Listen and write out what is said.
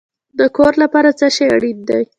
د کور لپاره څه شی اړین دی؟